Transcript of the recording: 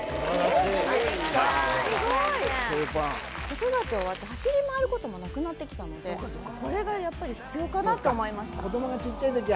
子育て終わって走り回ることもなくなって来たのでこれがやっぱり必要かなと思いました。